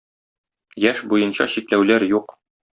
Яшь буенча чикләүләр юк.